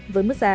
với mức giá